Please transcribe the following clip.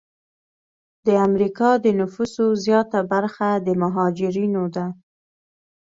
د امریکا د نفوسو زیاته برخه د مهاجرینو ده.